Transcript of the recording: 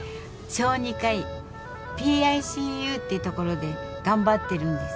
小児科医ＰＩＣＵって所で頑張ってるんです。